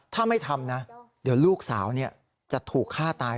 ถ้าไม่ทำนะเดี๋ยวลูกสาวจะถูกฆ่าตาย